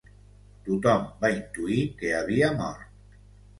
Tothom va intuir que havia mort.